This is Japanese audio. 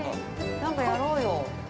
◆なんかやろうよ。